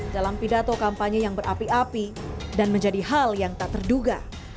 dalam pidato kampanye yang berapi api dan menjadi hal yang tak terduga